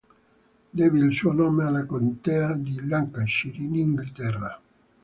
Deve il suo nome alla contea di Lancashire, in Inghilterra.